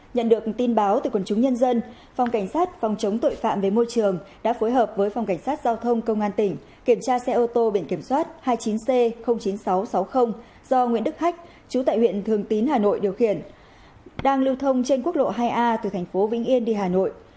nhận được tin báo từ quần chúng nhân dân phòng cảnh sát phòng chống tội phạm về môi trường đã phối hợp với phòng cảnh sát giao thông công an tỉnh kiểm tra xe ô tô biển kiểm soát hai mươi chín c chín nghìn sáu trăm sáu mươi do nguyễn đức hách chú tại huyện thường tín hà nội điều khiển đang lưu thông trên quốc lộ hai a từ thành phố vĩnh yên đi hà nội